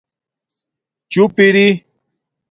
چُپ اری